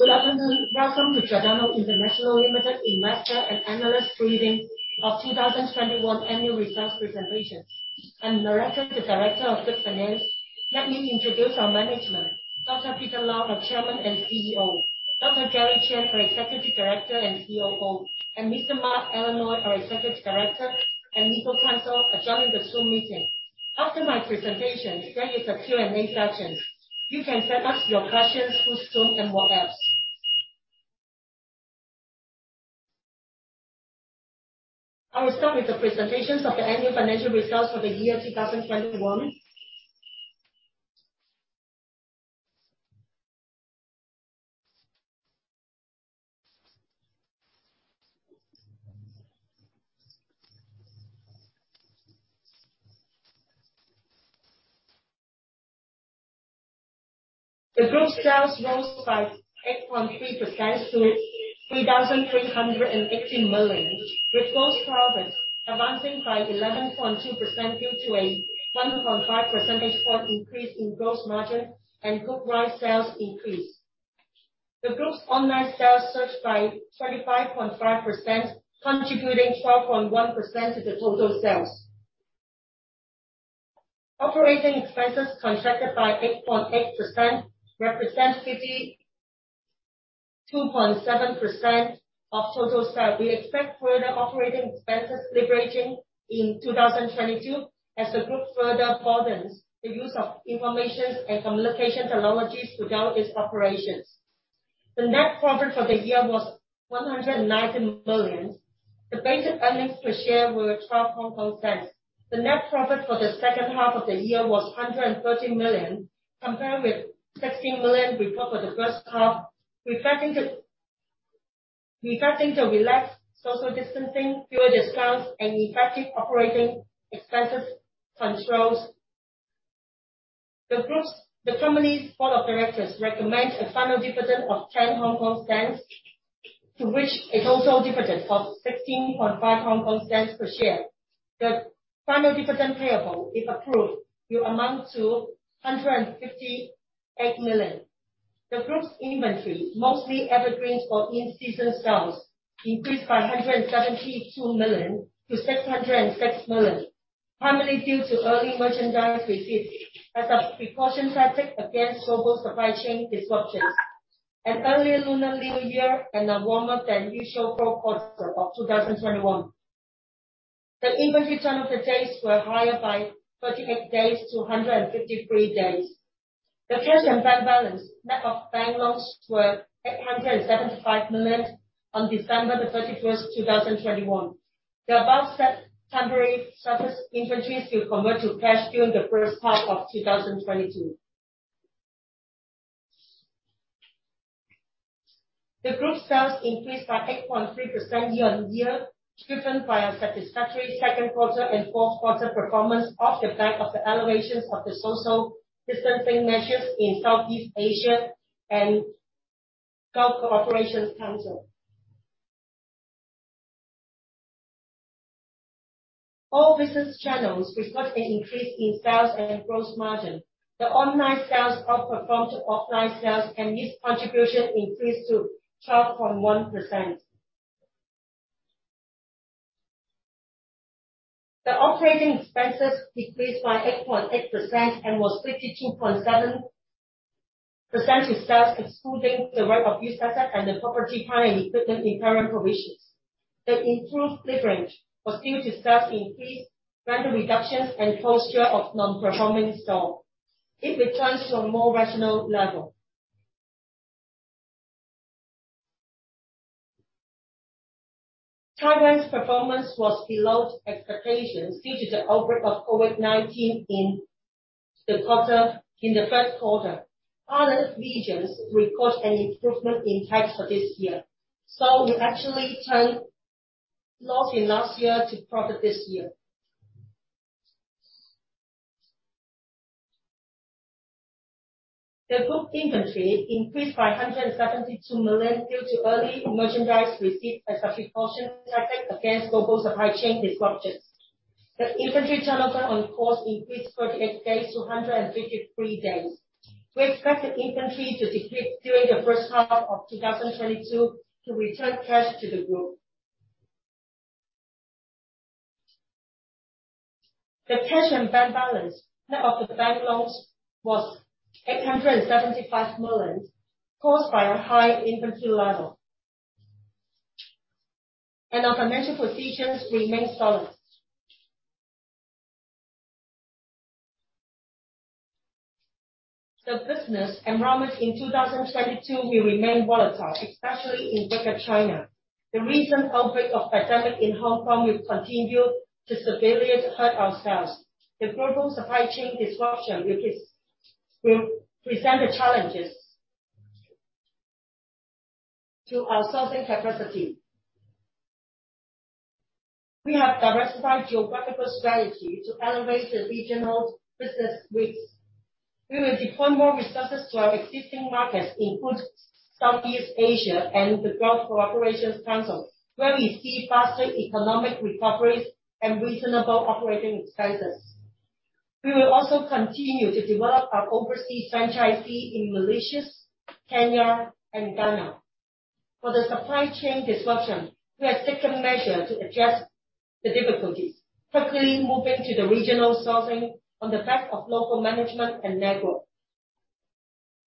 Good afternoon. Welcome to Giordano International Limited investor and analyst briefing of 2021 annual results presentation. I'm Loratta, the Director of Group Finance. Let me introduce our management. Dr. Peter Lau, our Chairman and CEO, Dr. Gary Cheng, our Executive Director and COO, and Mr. Mark Alan Loynd, our Executive Director and Legal Counsel are joining the Zoom meeting. After my presentation, there is a Q&A session. You can send us your questions through Zoom and WhatsApp. I will start with the presentations of the annual financial results for the year 2021. The group's sales rose by 8.3% to 3,380 million, with gross profit advancing by 11.2% due to a 1.5 percentage point increase in gross margin and group-wide sales increase. The group's online sales surged by 25.5%, contributing 12.1% to the total sales. Operating expenses contracted by 8.8%, representing 52.7% of total sales. We expect further operating expense leverage in 2022 as the group further broadens the use of information and communication technologies to drive its operations. The net profit for the year was 190 million. The basic earnings per share were 0.12. The net profit for the second half of the year was 130 million, compared with 16 million reported for the first half, reflecting the relaxed social distancing, fewer discounts, and effective operating expense controls. The groups... The company's board of directors recommend a final dividend of 0.10, to which a total dividend of 0.165 per share. The final dividend payable, if approved, will amount to 158 million. The group's inventory, mostly evergreens or in-season sales, increased by 172 million to 606 million, primarily due to early merchandise received as a precaution tactic against global supply chain disruptions, an early Lunar New Year, and a warmer than usual fourth quarter of 2021. The inventory turn of the days were higher by 38 days to 153 days. The cash and bank balance net of bank loans were 875 million on December 31, 2021. The above said temporary surplus inventories will convert to cash during the first half of 2022. The group's sales increased by 8.3% year-on-year, driven by a satisfactory second quarter and fourth quarter performance off the back of the alleviation of the social distancing measures in Southeast Asia and Gulf Cooperation Council. All business channels report an increase in sales and in gross margin. The online sales outperformed offline sales, and this contribution increased to 12.1%. The operating expenses decreased by 8.8% and was 52.7% of sales, excluding the right-of-use asset and the property, plant and equipment impairment provisions. The improved leverage was due to sales increase, rental reductions, and closure of non-performing store. It returns to a more rational level. Taiwan's performance was below expectations due to the outbreak of COVID-19 in the quarter, in the first quarter. Other regions record an improvement in sales for this year. We actually turned loss in last year to profit this year. The group inventory increased by 172 million due to early merchandise received as a precaution tactic against global supply chain disruptions. The inventory turnover on cost increased 38 days to 153 days. We expect the inventory to decrease during the first half of 2022 to return cash to the group. The cash and bank balance net of the bank loans was 875 million, caused by a high inventory level. Our financial positions remain solid. The business environment in 2022 will remain volatile, especially in Greater China. The recent outbreak of pandemic in Hong Kong will continue to severely hurt our sales. The global supply chain disruption will present the challenges to our sourcing capacity. We have a diversified geographical strategy to alleviate the regional business risks. We will deploy more resources to our existing markets, including Southeast Asia and the Gulf Cooperation Council, where we see faster economic recoveries and reasonable operating expenses. We will also continue to develop our overseas franchisee in Malaysia, Kenya, and Ghana. For the supply chain disruption, we have taken measures to adjust the difficulties, quickly moving to the regional sourcing on the back of local management and network.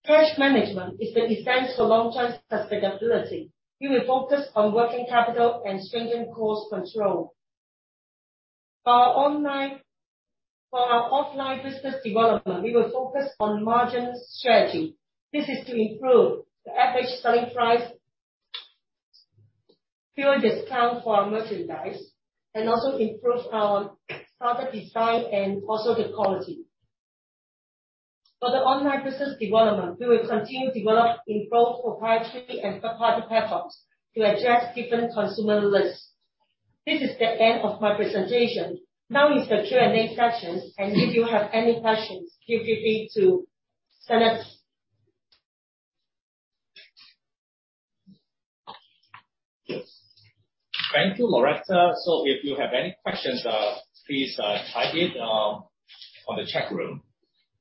Cash management is the defense for long-term sustainability. We will focus on working capital and strengthen cost control. For our offline business development, we will focus on margin strategy. This is to improve the average selling price, reduce discount for our merchandise, and also improve our product design and also the quality. For the online business development, we will continue develop in both proprietary and third-party platforms to address different consumer lists. This is the end of my presentation. Now is the Q&A session, and if you have any questions, feel free to send us. Yes. Thank you, Loratta. If you have any questions, please type it on the chat room.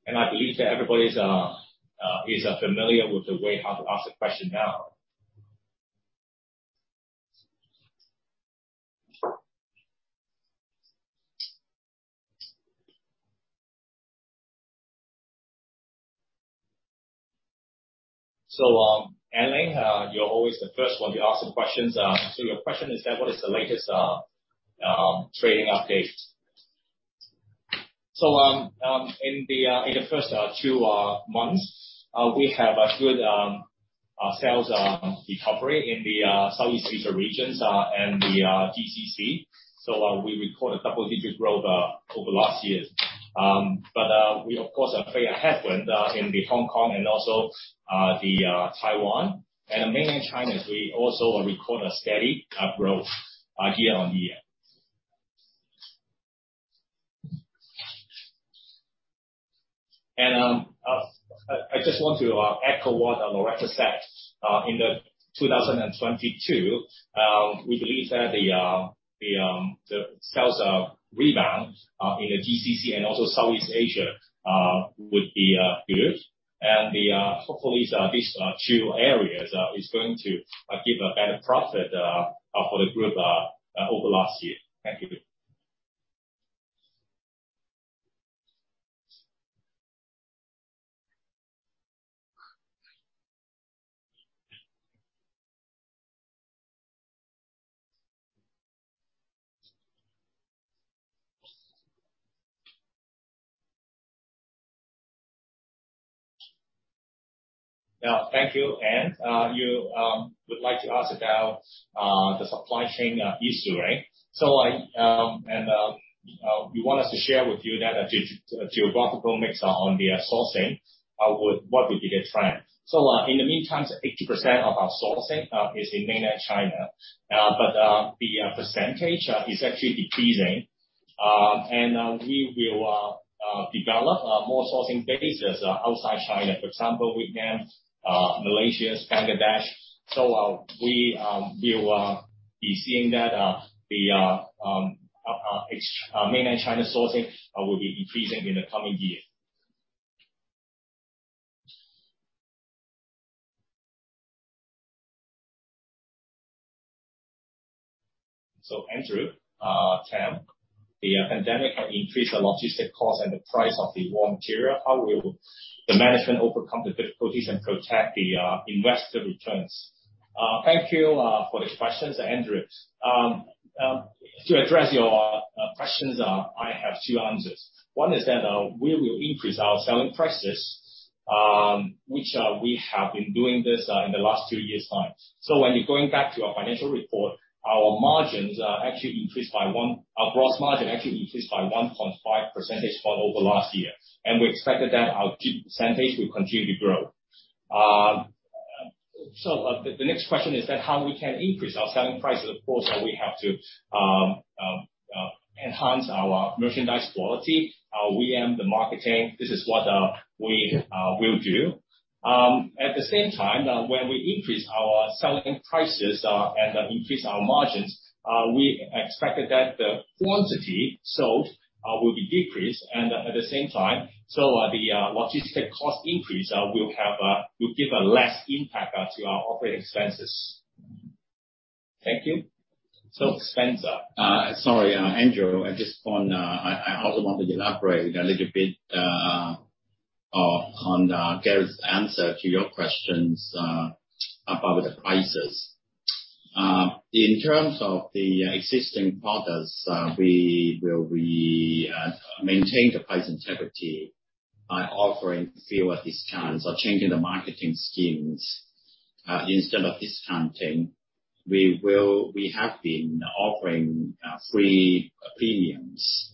I believe that everybody is familiar with the way how to ask a question now. Elaine, you're always the first one to ask some questions. Your question is, what is the latest trading update? In the first two months, we have a good sales recovery in the Southeast Asia regions and the GCC. We record a double-digit growth over last year. We of course have faced a headwind in Hong Kong and also Taiwan. In mainland China, we also record a steady growth year-on-year. I just want to echo what Loratta said. In 2022, we believe that the sales rebound in the GCC and also Southeast Asia would be good. Hopefully these two areas is going to give a better profit for the group over last year. Thank you. Yeah. Thank you, Anne. You would like to ask about the supply chain issue, right? You want us to share with you that geographical mix on the sourcing, what would be the trend. In the meantime, 80% of our sourcing is in mainland China. But the percentage is actually decreasing. We will develop more sourcing bases outside China, for example, Vietnam, Malaysia, Bangladesh. We will be seeing that the mainland China sourcing will be decreasing in the coming year. Andrew Tam, the pandemic had increased the logistic cost and the price of the raw material. How will the management overcome the difficulties and protect the investor returns? Thank you for this question, Andrew. To address your questions, I have two answers. One is that we will increase our selling prices, which we have been doing this in the last two years' time. When you're going back to our financial report, our margins actually increased by one... Our gross margin actually increased by 1.5 percentage point over last year. We expected that our percentage will continue to grow. The next question is that how we can increase our selling prices. Of course, we have to enhance our merchandise quality, we aim the marketing. This is what we will do. At the same time, when we increase our selling prices and increase our margins, we expected that the quantity sold will be decreased and at the same time, the logistics cost increase will give a less impact to our operating expenses. Thank you. Spencer- Sorry, Andrew. At this point, I also want to elaborate a little bit on Gary's answer to your questions about the prices. In terms of the existing products, we will be maintain the price integrity by offering fewer discounts or changing the marketing schemes instead of discounting. We have been offering free premiums.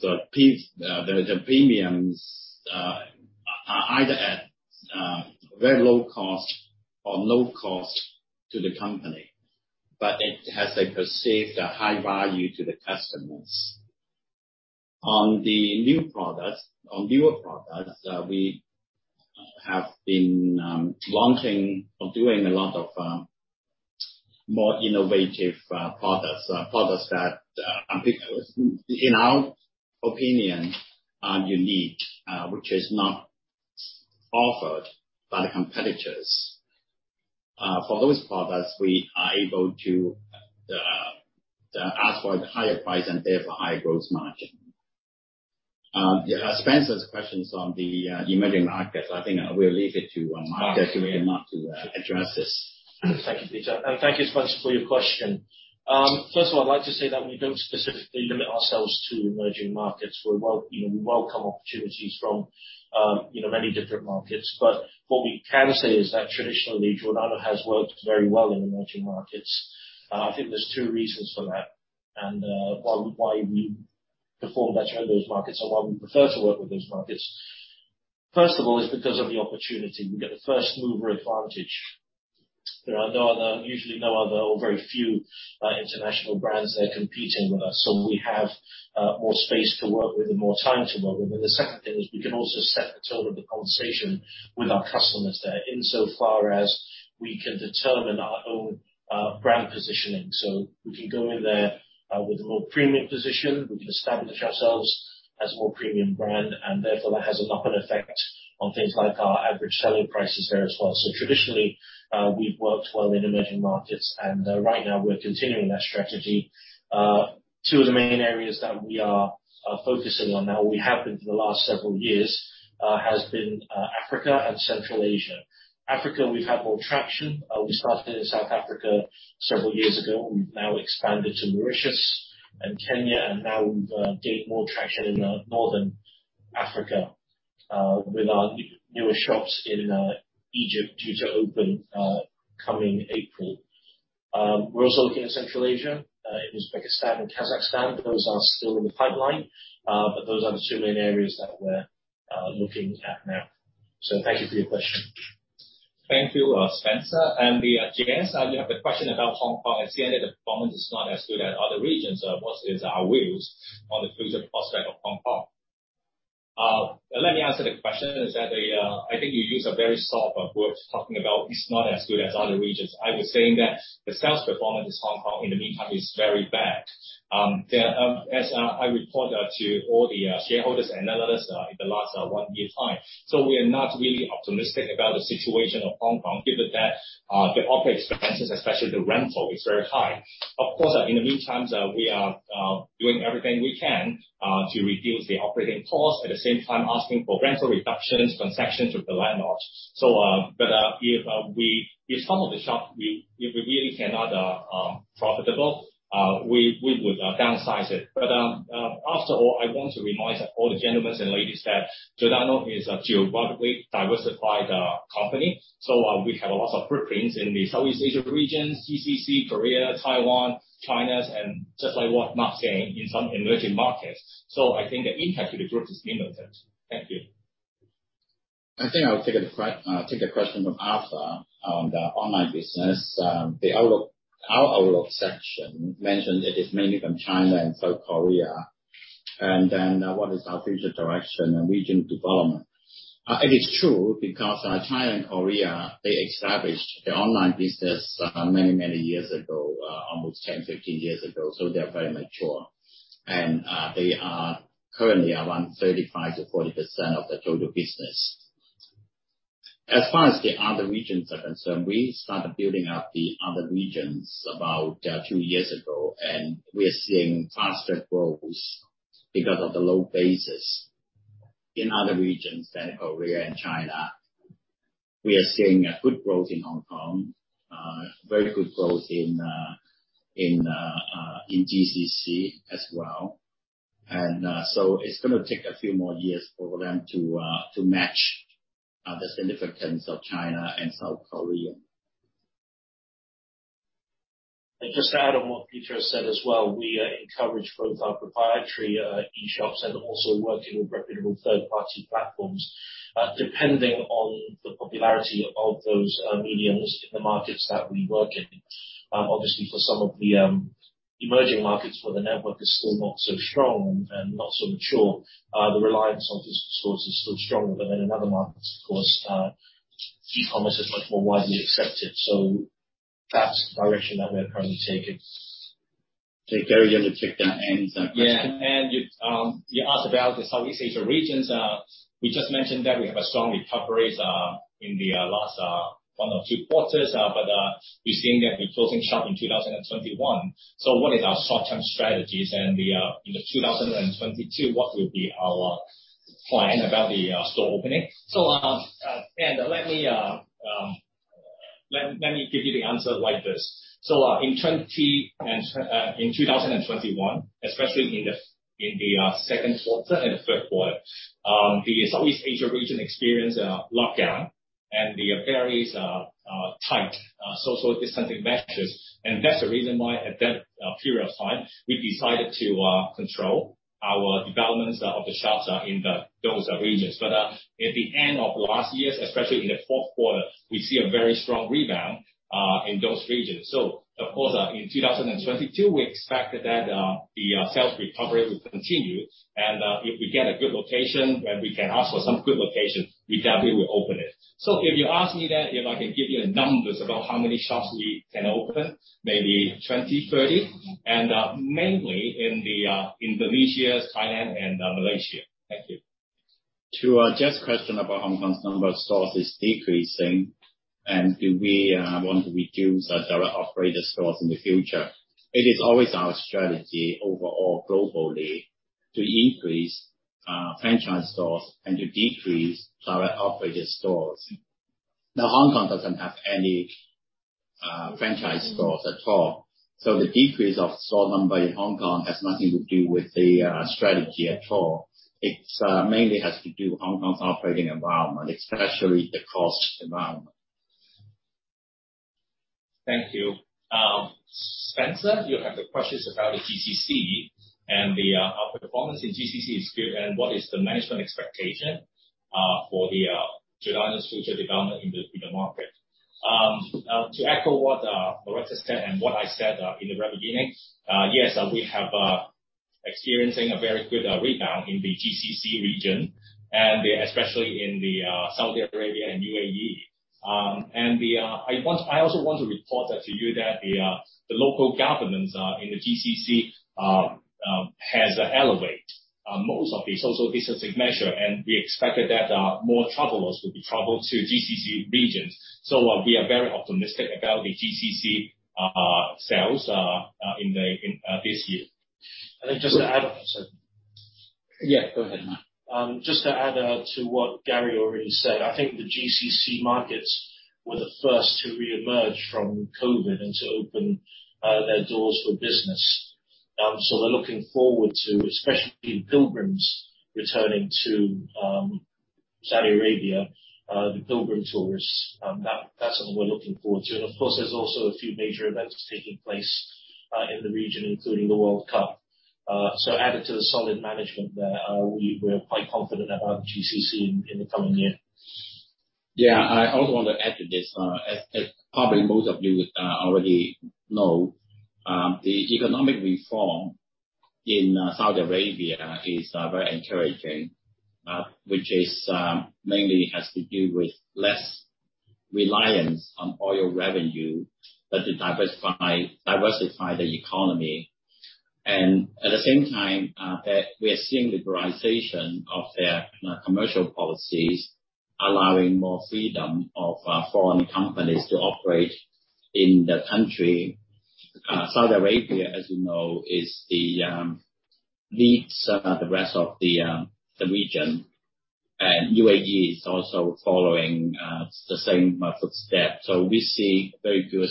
The premiums are either at very low cost or no cost to the company, but it has a perceived high value to the customers. On the new products, on newer products, we have been launching or doing a lot of more innovative products. Products that in our opinion are unique which is not offered by the competitors. For those products we are able to ask for a higher price and therefore higher growth margin. Spencer's questions on the emerging markets. I think we'll leave it to Mark to be able to address this. Thank you, Peter. Thank you Spencer for your question. First of all, I'd like to say that we don't specifically limit ourselves to emerging markets. You know, we welcome opportunities from, you know, many different markets. What we can say is that traditionally, Giordano has worked very well in emerging markets. I think there's two reasons for that and why we perform better in those markets or why we prefer to work with those markets. First of all, is because of the opportunity. We get a first mover advantage. There are usually no other or very few international brands there competing with us, so we have more space to work with and more time to work with. The second thing is we can also set the tone of the conversation with our customers there, insofar as we can determine our own brand positioning. We can go in there with a more premium position. We can establish ourselves as a more premium brand, and therefore that has a knock-on effect on things like our average selling prices there as well. Traditionally, we've worked well in emerging markets, and right now we're continuing that strategy. Two of the main areas that we are focusing on now, we have been for the last several years, has been Africa and Central Asia. Africa, we've had more traction. We started in South Africa several years ago. We've now expanded to Mauritius and Kenya, and now we've gained more traction in northern Africa with our newer shops in Egypt due to open coming April. We're also looking at Central Asia in Uzbekistan and Kazakhstan. Those are still in the pipeline, but those are the two main areas that we're looking at now. Thank you for your question. Thank you, Spencer. Then James, you have a question about Hong Kong. In the end, the performance is not as good as other regions. What is our views on the future prospect of Hong Kong? Let me answer the question. It is that they, I think you use a very soft words talking about it's not as good as other regions. I was saying that the sales performance in Hong Kong in the meantime is very bad. There, as I report to all the shareholders analysts in the last one year time. We're not really optimistic about the situation of Hong Kong, given that the operating expenses, especially the rental, is very high. Of course, in the meantime, we are doing everything we can to reduce the operating costs, at the same time asking for rental reductions from concessions with the landlords. If some of the shops, if we really cannot be profitable, we would downsize it. After all, I want to remind all the gentlemen and ladies that Giordano is a geographically diversified company. We have lots of footprints in the Southeast Asia region, GCC, Korea, Taiwan, China, and just like what Mark said, in some emerging markets. I think the impact to the group is minimal. Thank you. I think I'll take a question from Arthur on the online business. The outlook, our outlook section mentioned it is mainly from China and South Korea. What is our future direction and region development? It is true because China and Korea, they established their online business many years ago, almost 10, 15 years ago, so they're very mature. They are currently around 35%-40% of the total business. As far as the other regions are concerned, we started building up the other regions about two years ago, and we're seeing faster growth because of the low base in other regions than Korea and China. We are seeing good growth in Hong Kong, very good growth in GCC as well. It's gonna take a few more years for them to match the significance of China and South Korea. Just to add on what Peter has said as well, we encourage both our proprietary e-shops and also working with reputable third-party platforms, depending on the popularity of those mediums in the markets that we work in. Obviously, for some of the emerging markets where the network is still not so strong and not so mature, the reliance on those sources is still stronger than in another market. Of course, e-commerce is much more widely accepted. That's the direction that we're currently taking. Gary, you want to take that end question? Yeah. You asked about the Southeast Asia regions. We just mentioned that we have a strong recoveries in the last one or two quarters. We're seeing that we're closing shop in 2021. What is our short-term strategies and then in the 2022, what will be our plan about the store opening? Let me give you the answer like this. In 2021, especially in the second quarter and the third quarter, the Southeast Asia region experienced a lockdown and the various tight social distancing measures. That's the reason why at that period of time we decided to control our developments of the shops in those regions. At the end of last year, especially in the fourth quarter, we see a very strong rebound in those regions. Of course, in 2022, we expect that the sales recovery will continue. If we get a good location where we can ask for some good locations, we definitely will open it. If you ask me that, if I can give you numbers about how many shops we can open, maybe 20, 30, and mainly in Indonesia, Thailand and Malaysia. Thank you. To Jeff's question about Hong Kong's number of stores is decreasing and do we want to reduce our direct operator stores in the future. It is always our strategy overall globally to increase franchise stores and to decrease direct operator stores. Now, Hong Kong doesn't have any franchise stores at all, so the decrease of store number in Hong Kong has nothing to do with the strategy at all. It's mainly has to do with Hong Kong's operating environment, especially the cost environment. Thank you. Spencer, you have the questions about the GCC and the our performance in GCC is good and what is the management expectation for the Giordano's future development in the market. To echo what Loratta said and what I said in the very beginning, yes, we have experiencing a very good rebound in the GCC region, and especially in the Saudi Arabia and UAE. I also want to report that to you that the local governments in the GCC have elevated most of the social distancing measures, and we expect that more travelers will travel to GCC regions. We are very optimistic about the GCC sales in this year. Just to add. Sorry. Yeah, go ahead. Just to add to what Gary already said, I think the GCC markets were the first to re-emerge from COVID and to open their doors for business. We're looking forward to, especially pilgrims returning to Saudi Arabia, the pilgrim tourists, that's what we're looking forward to. Of course, there's also a few major events taking place in the region, including the World Cup. Added to the solid management there, we're quite confident about GCC in the coming year. Yeah. I also want to add to this, as probably most of you already know, the economic reform in Saudi Arabia is very encouraging, which mainly has to do with less reliance on oil revenue, but to diversify the economy. At the same time, we are seeing liberalization of their commercial policies, allowing more freedom of foreign companies to operate in the country. Saudi Arabia, as you know, leads the rest of the region, and UAE is also following the same footsteps. We see very good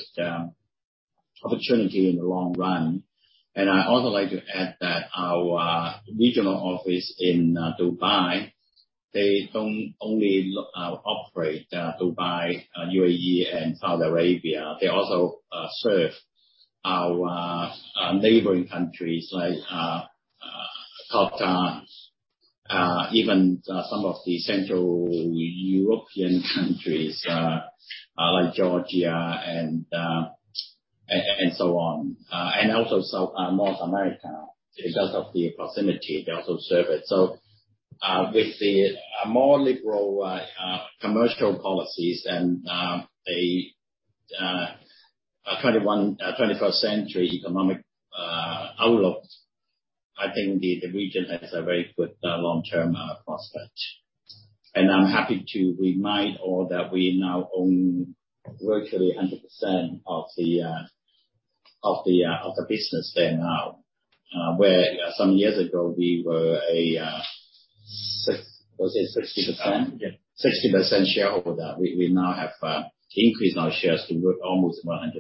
opportunity in the long run. I also like to add that our regional office in Dubai, they don't only operate Dubai, UAE and Saudi Arabia. They also serve our neighboring countries like Qatar, even some of the central European countries like Georgia and so on. They also serve South and North America because of the proximity. With the more liberal commercial policies and a twenty-first century economic outlook, I think the region has a very good long-term prospect. I'm happy to remind all that we now own virtually 100% of the business there now, where some years ago we were a 60%. Was it 60%? Yeah. 60% shareholder. We now have increased our shares to almost 100%.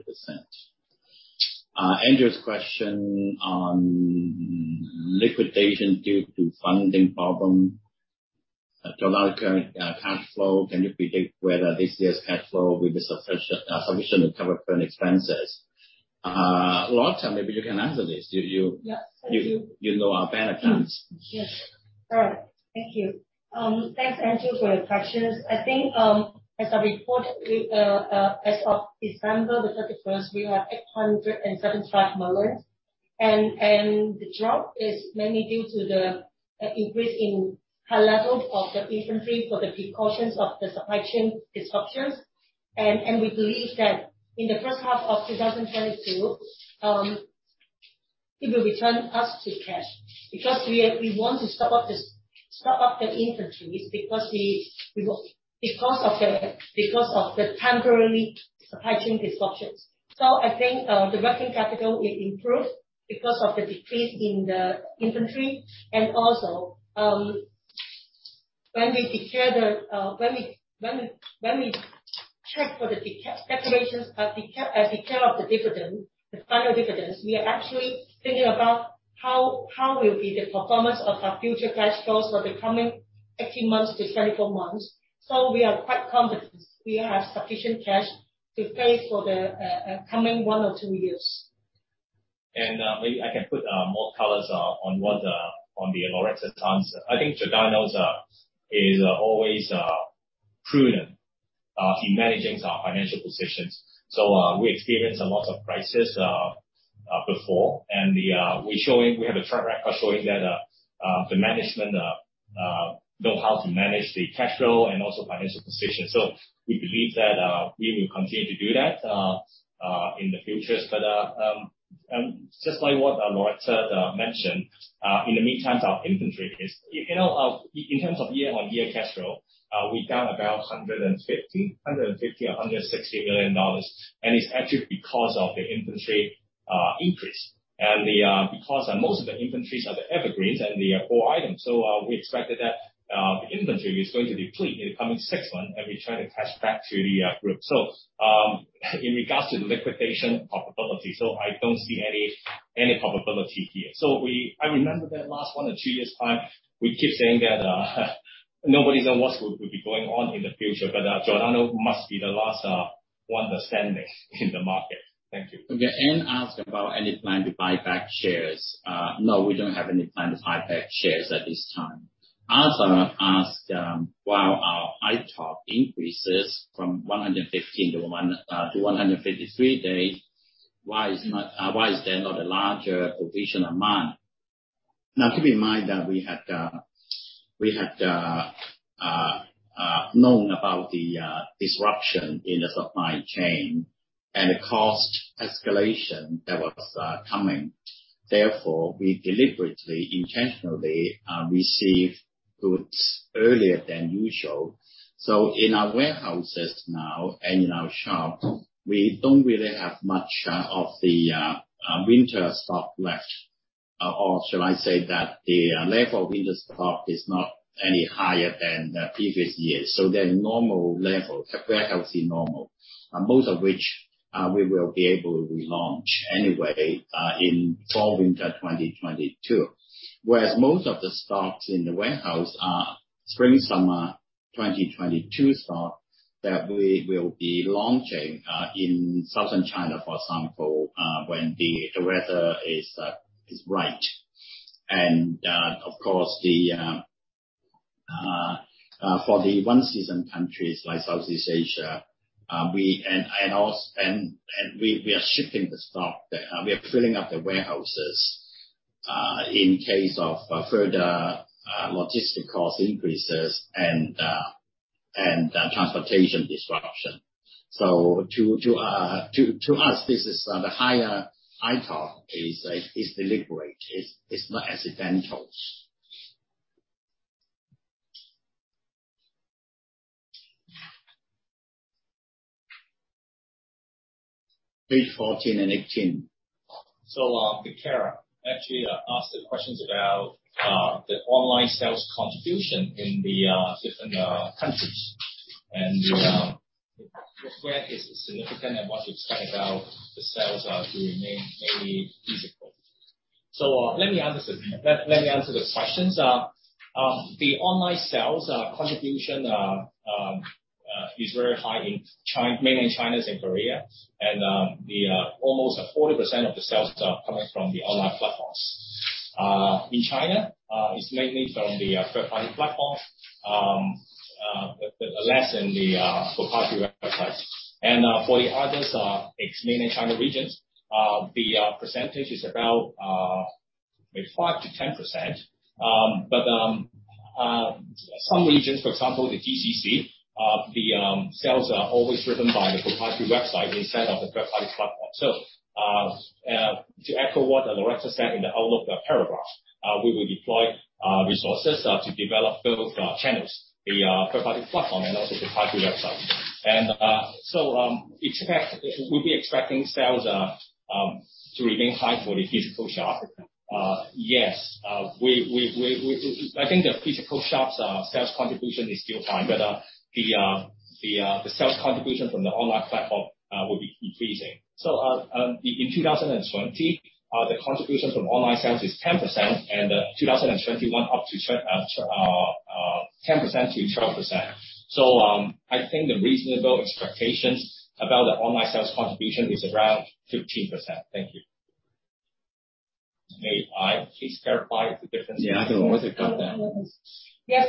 Andrew's question on liquidation due to funding problem to a lot of current cash flow. Can you predict whether this year's cash flow will be sufficient to cover current expenses? Loratta, maybe you can answer this. You Yes, I do. You know our better plans. Yes. All right. Thank you. Thanks, Andrew, for your questions. I think, as I reported, as of December the 31st, we have 875 million. The drop is mainly due to the increase in high levels of the inventory for the precautions of the supply chain disruptions. We believe that in the first half of 2022, it will return us to cash because we want to stock up the inventories because of the temporary supply chain disruptions. I think, the working capital will improve because of the decrease in the inventory. When we check for the declaration of the dividend, the final dividends, we are actually thinking about how the performance of our future cash flows will be for the coming 18 months to 24 months. We are quite confident we have sufficient cash to pay for the coming one or two years. Maybe I can put more colors on what on Loratta's answer. I think Giordano's is always prudent in managing our financial positions. We experience a lot of crises before. We have a track record showing that the management know how to manage the cash flow and also financial position. We believe that we will continue to do that in the future. Just like what Loratta mentioned, in the meantime, our inventory is, you know, in terms of year-on-year cash flow, we're down about 150 or 160 million dollars. It's actually because of the inventory increase. Because most of the inventories are the evergreens and the fall items, we expect that the inventory is going to deplete in the coming six months, and we try to cash back to the group. In regards to the liquidation probability, I don't see any probability here. I remember that last one or two years' time, we keep saying that, nobody's know what's going to be going on in the future, but Giordano must be the last one that's standing in the market. Thank you. Okay. Anne asked about any plan to buy back shares. No, we don't have any plan to buy back shares at this time. Asa asked, while our ITOD increases from 115 to 153 days, why is there not a larger provision amount? Now, keep in mind that we had known about the disruption in the supply chain and the cost escalation that was coming. Therefore, we deliberately, intentionally received goods earlier than usual. In our warehouses now and in our shops, we don't really have much of the winter stock left. Shall I say that the level of winter stock is not any higher than the previous years. They're normal levels, a very healthy normal, most of which we will be able to relaunch anyway in fall/winter 2022. Whereas most of the stocks in the warehouse are spring/summer 2022 stock that we will be launching in Southern China, for example, when the weather is right. Of course, for the one season countries like Southeast Asia, we are shifting the stock. We are filling up the warehouses in case of further logistics cost increases and transportation disruption. To us, this is the higher ITOD is deliberate. It's not accidental. Page 14 and 18. Vicara actually asked the questions about the online sales contribution in the different countries. Where is the significant and what to expect about the sales to remain mainly physical. Let me answer the questions. The online sales contribution is very high in Mainland China and Korea. Almost 40% of the sales are coming from the online platforms. In China, it's mainly from the third-party platform, but less in the proprietary websites. For the others, ex-Mainland China regions, the percentage is about 5%-10%. Some regions, for example, the GCC, the sales are always driven by the proprietary website instead of the third party platform. To echo what Loratta said in the outlook paragraph, we will deploy resources to develop both channels, the third party platform and also the proprietary website. We'll be expecting sales to remain high for the physical shop. Yes, I think the physical shops sales contribution is still high, but the sales contribution from the online platform will be increasing. In 2020, the contribution from online sales is 10%, and 2021 up to 10% to 12%. I think the reasonable expectations about the online sales contribution is around 15%. Thank you. May I please clarify the difference between- Yeah, I can always cut that. Yes.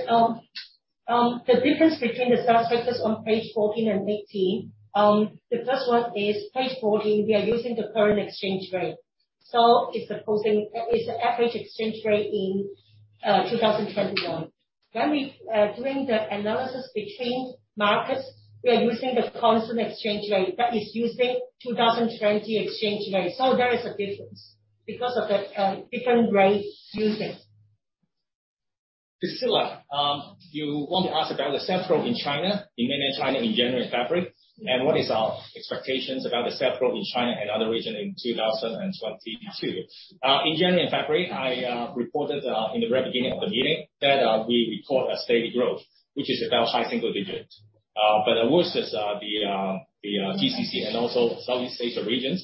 The difference between the sales figures on page 14 and 18, the first one is page 14, we are using the current exchange rate. It's the average exchange rate in 2021. When we doing the analysis between markets, we are using the constant exchange rate that is using 2020 exchange rate. There is a difference because of the different rate using. Priscilla, you want to ask about the same growth in China, in Mainland China in January and February, and what is our expectations about the same growth in China and other region in 2022. In January and February, I reported in the very beginning of the meeting that we report a steady growth, which is about high single digits%. But whilst the GCC and also Southeast Asia regions,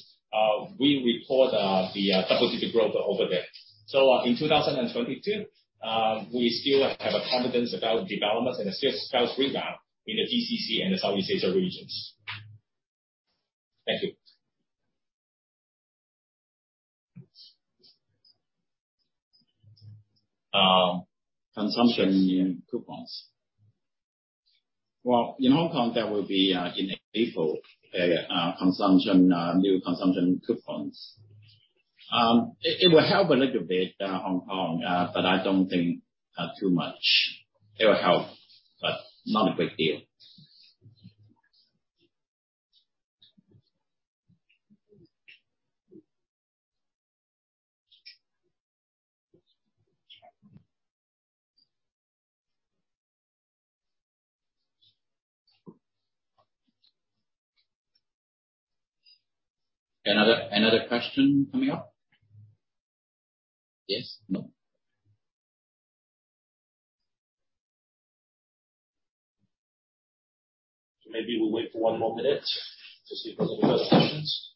we report the double-digit% growth over there. In 2022, we still have a confidence about developments and a steady sales rebound in the GCC and the Southeast Asia regions. Thank you. Consumption coupons. Well, in Hong Kong that will be in April. New consumption coupons. It will help a little bit Hong Kong, but I don't think too much. It will help, but not a great deal. Any other question coming up? Yes. No. Maybe we'll wait for one more minute to see if there's any further questions.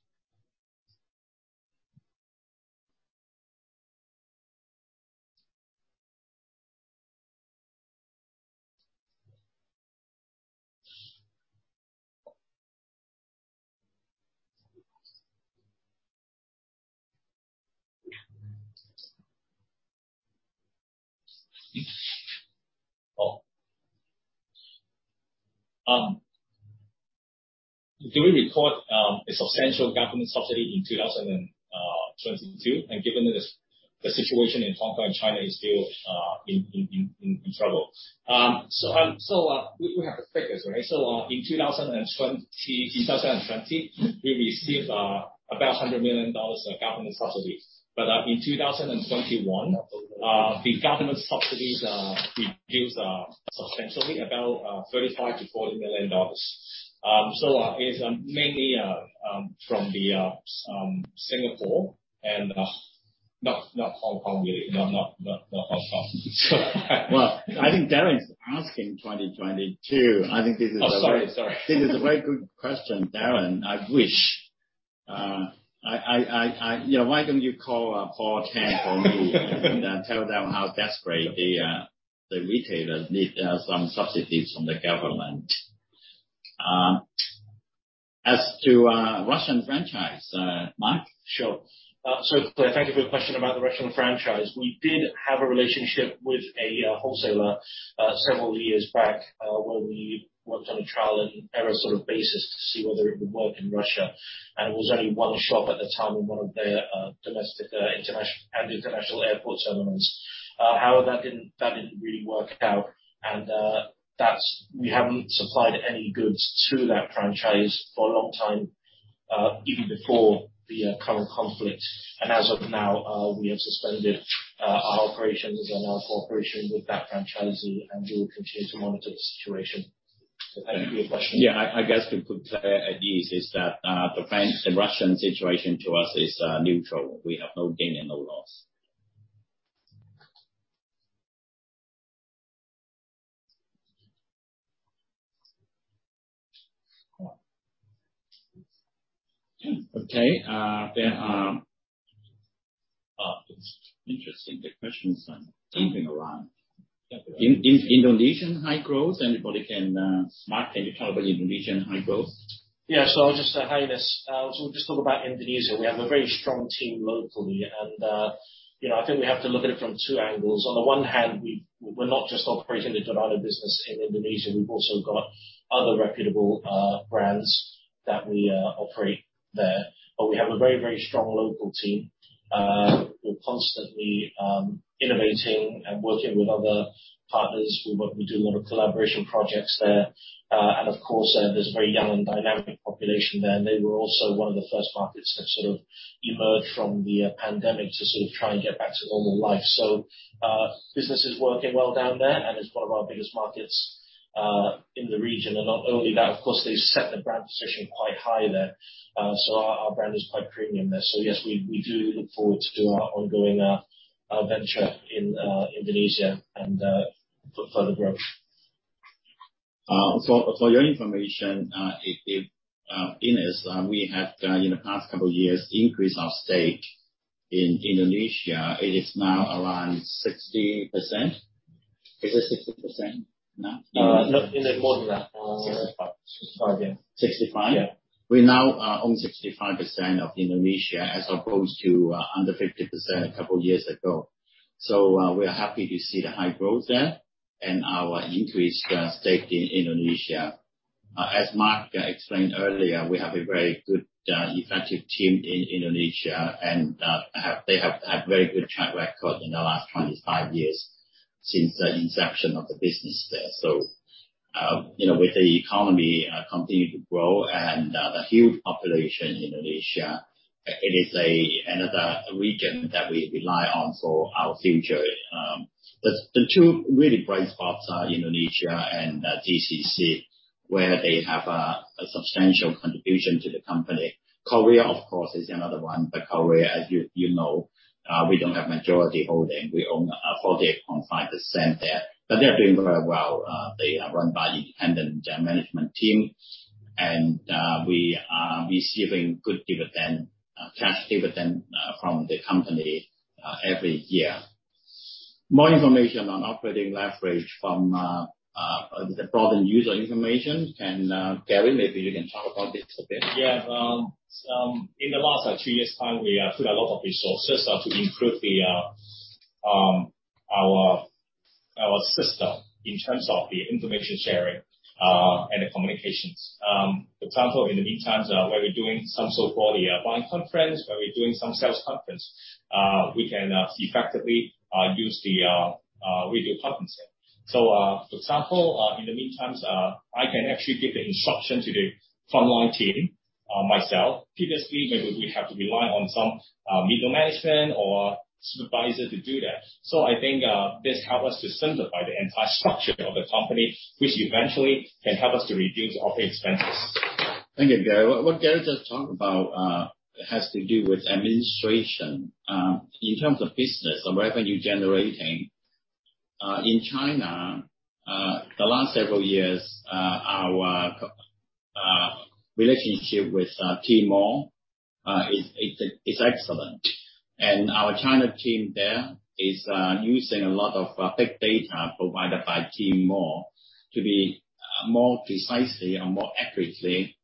Oh. Do we record a substantial government subsidy in 2022, and given that the situation in Hong Kong and China is still in trouble? We have the figures, right? In 2020 we received about 100 million dollars of government subsidies. In 2021 the government subsidies reduced substantially about $35 million-$40 million. It's mainly from Singapore and not Hong Kong really. Not Hong Kong. Well, I think Darren's asking 2022. Oh, sorry. Sorry. This is a very good question, Darren. You know, why don't you call Paul Chan for me and tell them how desperately the retailers need some subsidies from the government. As to Russian franchise, Mark? Sure. Thank you for your question about the Russian franchise. We did have a relationship with a wholesaler several years back where we worked on a trial-and-error sort of basis to see whether it would work in Russia. It was only one shop at the time in one of their domestic, international airport terminals. However, that didn't really work out. We haven't supplied any goods to that franchise for a long time, even before the current conflict. As of now, we have suspended our operations and our cooperation with that franchisee, and we will continue to monitor the situation. Thank you for your question. Yeah. I guess we could say at least is that the Russian situation to us is neutral. We have no gain and no loss. Yeah. Okay. It's interesting the questions are looping around. Indonesian high growth. Anybody can... Mark, can you talk about Indonesian high growth? Yeah. I'll just say, hi, Innes. We'll just talk about Indonesia. We have a very strong team locally and I think we have to look at it from two angles. On the one hand, we're not just operating the Pandora business in Indonesia. We've also got other reputable brands that we operate there. We have a very, very strong local team. We're constantly innovating and working with other partners. We do a lot of collaboration projects there. Of course, there's a very young and dynamic population there, and they were also one of the first markets that sort of emerged from the pandemic to sort of try and get back to normal life. Business is working well down there and is one of our biggest markets in the region. Not only that, of course, they've set their brand positioning quite high there. Our brand is quite premium there. Yes, we do look forward to do our ongoing venture in Indonesia and for further growth. For your information, Innes, we have in the past couple of years increased our stake in Indonesia. It is now around 60%. Is it 60%, Mark? No. More than that. 65. 65, yeah. 65? Yeah. We now own 65% of Indonesia as opposed to under 50% a couple years ago. We are happy to see the high growth there and our increased stake in Indonesia. As Mark explained earlier, we have a very good effective team in Indonesia and they have had very good track record in the last 25 years since the inception of the business there. You know, with the economy continuing to grow and the huge population in Indonesia, it is another region that we rely on for our future. The two really bright spots are Indonesia and GCC, where they have a substantial contribution to the company. Korea, of course, is another one. Korea, as you know, we don't have majority holding. We own 48.5% there. They're doing very well. They are run by independent management team. We are receiving good dividend cash dividend from the company every year. More information on operating leverage from the problem user information. Gary, maybe you can talk about this a bit. In the last two years' time, we have put a lot of resources to improve our system in terms of the information sharing and the communications. For example, in the meantime, where we're doing some so-called buying conference, where we're doing some sales conference, we can effectively use the video conference here. For example, in the meantime, I can actually give the instruction to the frontline team, myself. Previously, maybe we have to rely on some middle management or supervisor to do that. I think this help us to simplify the entire structure of the company, which eventually can help us to reduce our expenses. Thank you, Gary. What Gary just talked about has to do with administration. In terms of business or revenue generating in China the last several years our relationship with Tmall is excellent. Our China team there is using a lot of big data provided by Tmall to be more precisely and more accurately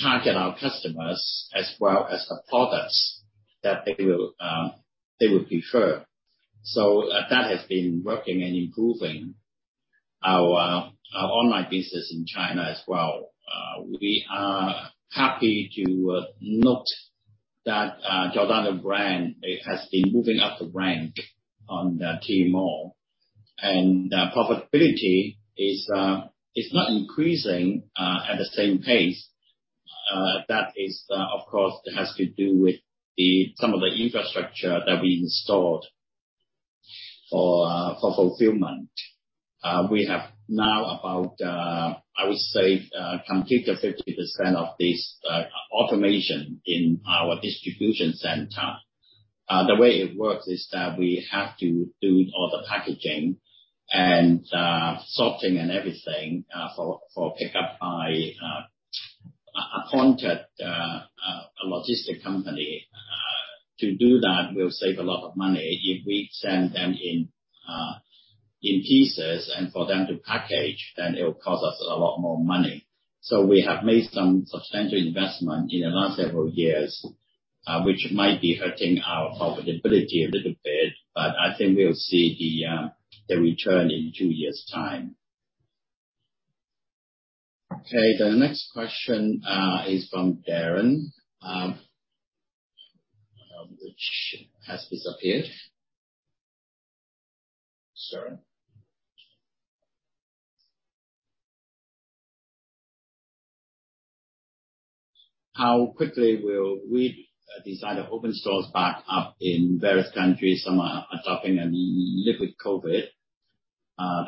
target our customers as well as the products that they would prefer. That has been working and improving our online business in China as well. We are happy to note that Giordano brand it has been moving up the rank on the Tmall. The profitability is not increasing at the same pace. That is, of course, has to do with some of the infrastructure that we installed for fulfillment. We have now about, I would say, completed 50% of this automation in our distribution center. The way it works is that we have to do all the packaging and sorting and everything for pickup by an appointed logistics company. To do that will save a lot of money. If we send them in pieces and for them to package, then it will cost us a lot more money. We have made some substantial investment in the last several years, which might be hurting our profitability a little bit, but I think we'll see the return in two years' time. Okay. The next question is from Darren, which has disappeared. Darren. How quickly will we decide to open stores back up in various countries? Some are adopting a live with COVID.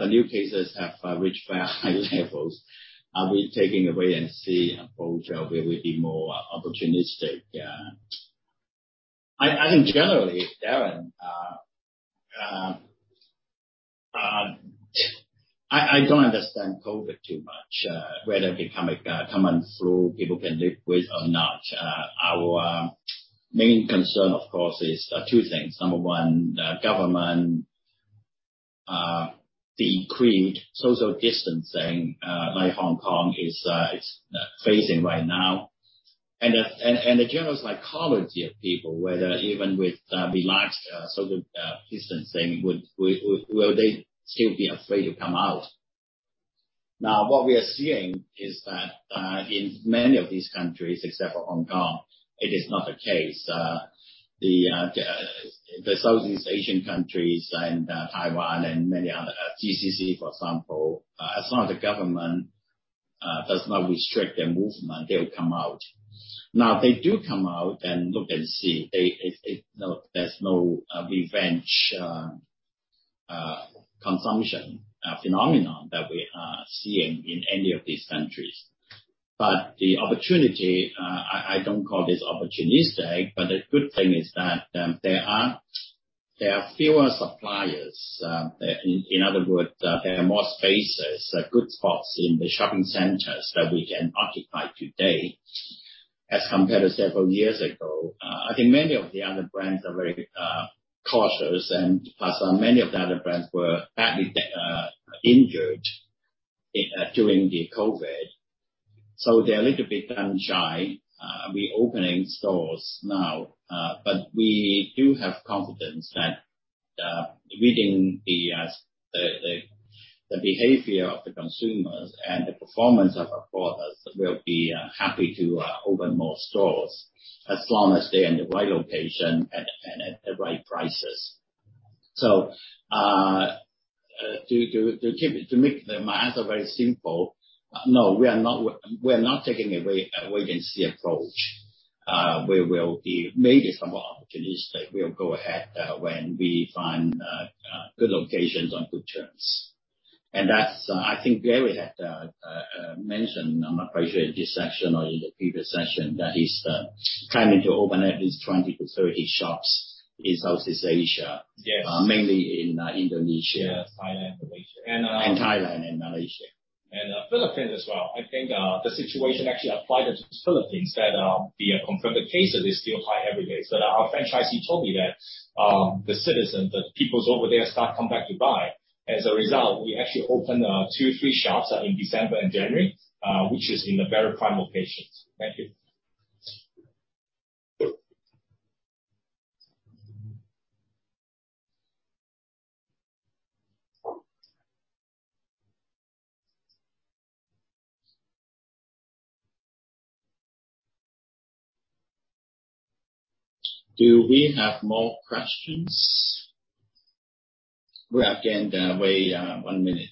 The new cases have reached very high levels. Are we taking a wait and see approach, or we will be more opportunistic? I think generally, Darren, I don't understand COVID too much, whether it become a common flu people can live with or not. Our main concern, of course, is two things. Number one, the government decreed social distancing, like Hong Kong is facing right now. The general psychology of people, whether even with relaxed social distancing, will they still be afraid to come out? Now, what we are seeing is that, in many of these countries, except for Hong Kong, it is not the case. The Southeast Asian countries and Taiwan and many other GCC, for example, as long as the government does not restrict their movement, they will come out. Now, they do come out and look and see. There's no revenge consumption phenomenon that we are seeing in any of these countries. The opportunity, I don't call this opportunistic, but the good thing is that, there are fewer suppliers. In other words, there are more spaces, good spots in the shopping centers that we can occupy today as compared to several years ago. I think many of the other brands are very cautious. Plus, many of the other brands were badly injured during the COVID. They're a little bit shy reopening stores now. We do have confidence that, reading the behavior of the consumers and the performance of our products, we'll be happy to open more stores as long as they're in the right location and at the right prices. To keep it, to make the math very simple, no, we're not taking a wait-and-see approach. We will be maybe somewhat opportunistic. We'll go ahead when we find good locations on good terms. That's, I think, Gary had mentioned. I'm not quite sure in this section or in the previous section that he's planning to open at least 20-30 shops in Southeast Asia. Yes. Mainly in Indonesia. Thailand, Malaysia, and Thailand and Malaysia. Philippines as well. I think, the situation actually applied to Philippines that, the confirmed cases is still high every day. Our franchisee told me that, the citizens, the peoples over there start come back to buy. As a result, we actually opened two-three shops in December and January, which is in the very prime locations. Thank you. Do we have more questions? We have again, wait, one minute.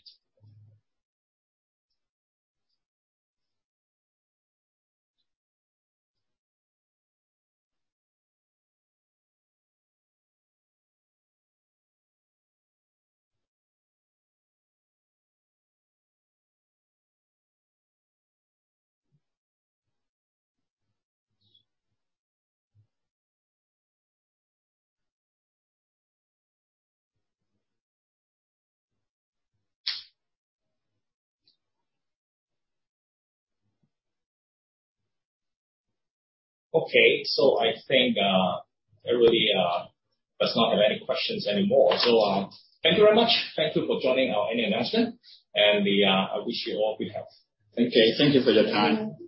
Okay. I think everybody does not have any questions anymore. Thank you very much. Thank you for joining our annual announcement. We wish you all good health. Thank you. Okay. Thank you for your time.